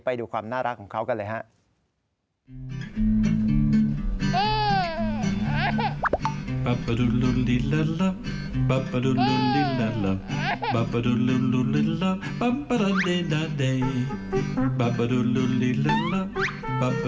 ไปดูความน่ารักของเขากันเลยครับ